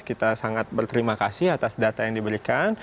kita sangat berterima kasih atas data yang diberikan